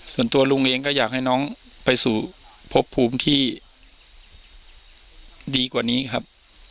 ส่วนตัวลุงเองก็อยากให้น้องไปสู่พบภูมิที่ดีกว่านี้ครับ